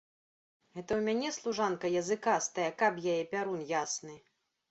Гэта ў мяне служанка языкастая, каб яе пярун ясны!